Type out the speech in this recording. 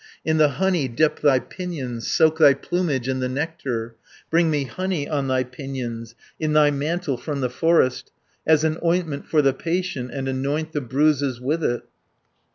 In the honey dip thy pinions, Soak thy plumage in the nectar, Bring me honey on thy pinions, In thy mantle from the forest, As an ointment for the patient, And anoint the bruises with it."